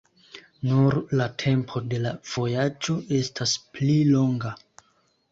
Nur la tempo de la vojaĝo estas pli longa.